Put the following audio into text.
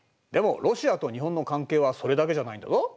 でもロシアと日本の関係はそれだけじゃないんだぞ。